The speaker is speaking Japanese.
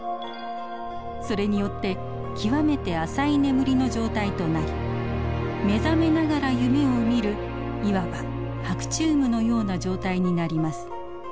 それによって極めて浅い眠りの状態となり目覚めながら夢を見るいわば白昼夢のような状態になります。